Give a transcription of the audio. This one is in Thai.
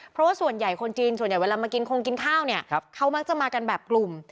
เพราะว่าส่วนใหญ่คนจีนส่วนใหญ่เวลามากินคงกินข้าวเนี่ยเขามักจะมากันแบบกลุ่ม